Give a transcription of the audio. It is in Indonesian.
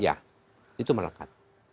ya itu melekat